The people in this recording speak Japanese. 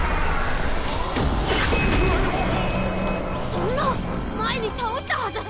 そんな前に倒したはず。